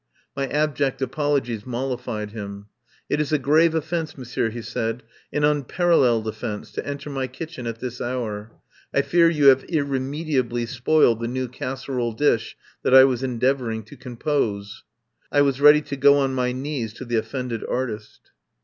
My abject apologies mollified him. "It is a grave offence, monsieur," he said, "an unparalleled offence, to enter my kitchen at this hour. I fear you have irremediably spoiled the new casserole dish that I was en deavouring to compose." I was ready to go on my knees to the of fended artist.